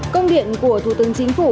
công điện của thủ tướng chính phủ